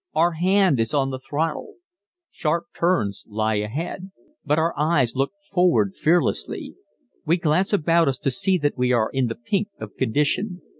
Our hand is on the throttle. Sharp turns lie ahead but our eyes look forward fearlessly. We glance about us to see that we are in the pink of condition.